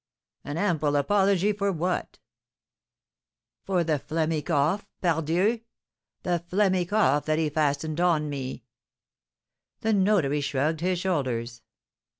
"An ample apology for what?" "For the phlegmy cough, pardieu! the phlegmy cough that he fastened on me." The notary shrugged his shoulders.